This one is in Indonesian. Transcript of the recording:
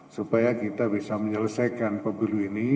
supaya kita bisa menyelesaikan pemilu ini